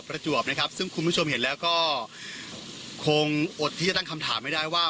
ประจวบนะครับซึ่งคุณผู้ชมเห็นแล้วก็คงอดที่จะตั้งคำถามไม่ได้ว่า